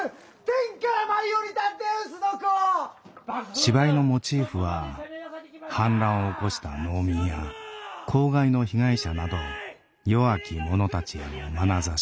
芝居のモチーフは反乱を起こした農民や公害の被害者など弱き者たちへのまなざし。